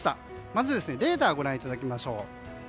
まず、レーダーをご覧いただきましょう。